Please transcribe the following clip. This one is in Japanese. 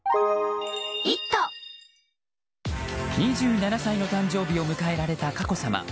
２７歳の誕生日を迎えられた佳子さま。